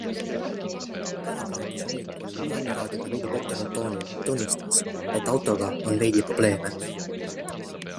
Tänak rääkis hommikul ralliraadioga veidi pettunud toonil ja tunnistas, et autoga on veidi probleeme.